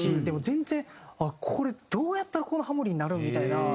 でも全然これどうやったらこのハモリになるん？みたいな。